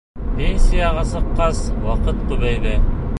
Пенсияға сыҡҡас, ваҡыт күбәйҙе.